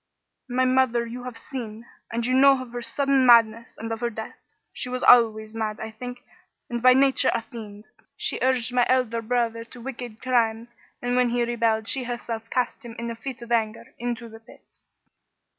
My mother you have seen, and you know of her sudden madness and of her death. She was always mad, I think, and by nature a fiend. She urged my elder brother to wicked crimes, and when he rebelled she herself cast him, in a fit of anger, into the pit.